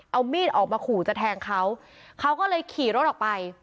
เอามีดออกมาขู่จะแทงเขาเขาก็เลยขี่รถออกไป